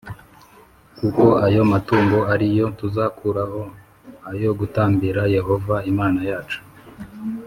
kuko ayo matungo ari yo tuzakuraho ayo gutambira Yehova Imana yacu